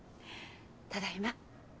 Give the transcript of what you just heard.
ただいま。